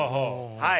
はい。